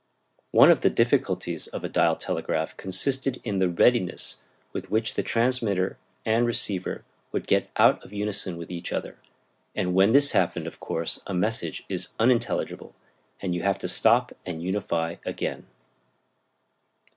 One of the difficulties of a dial telegraph consisted in the readiness with which the transmitter and receiver would get out of unison with each other; and when this happened of course a message is unintelligible, and you have to stop and unify again.